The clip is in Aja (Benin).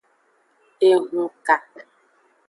Ehunka.